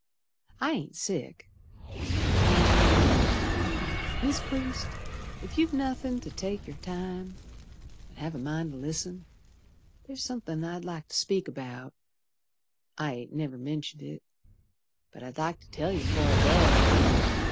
I ain't sick, only Mis' Priest, ef you've nothin' ter take yer time, An' have a mind to listen, Ther's somethin' I'd like ter speak about I ain't never mentioned it, But I'd like to tell yer 'fore I go.